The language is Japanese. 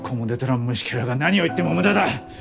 虫けらが何を言っても無駄だ！